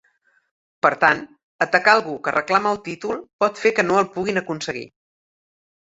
Per tant, atacar algú que reclama el títol pot fer que no el puguin aconseguir.